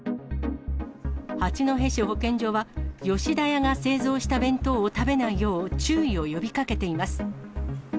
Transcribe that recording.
八戸市保健所は、吉田屋が製造した弁当を食べないよう、注意を呼びかけています。